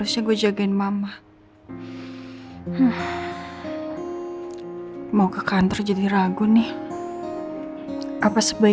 nanti yang ada bener dia besar kepala